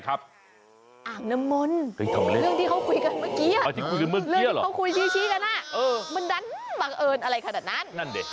มันดันบังเอิญอะไรขนาดนั้น